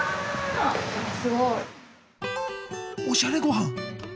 おしゃれごはん！